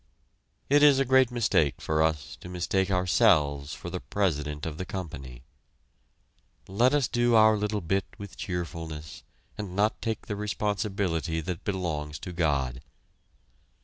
It is a great mistake for us to mistake ourselves for the President of the company. Let us do our little bit with cheerfulness and not take the responsibility that belongs to God.